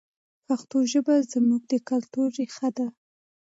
پښتو ژبه زموږ د کلتور ریښه ده.